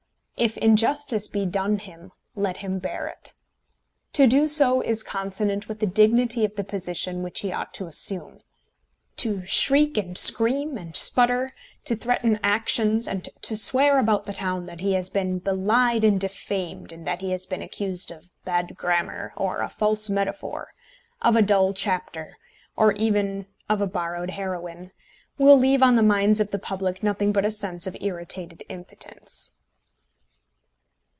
If injustice be done him, let him bear it. To do so is consonant with the dignity of the position which he ought to assume. To shriek, and scream, and sputter, to threaten actions, and to swear about the town that he has been belied and defamed in that he has been accused of bad grammar or a false metaphor, of a dull chapter, or even of a borrowed heroine, will leave on the minds of the public nothing but a sense of irritated impotence.